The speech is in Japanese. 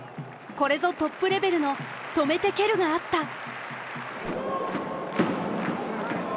これぞトップレベルの「止めて蹴る」があった。